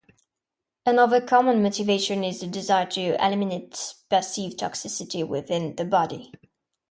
Another common motivation is the desire to eliminate perceived toxicity within the body.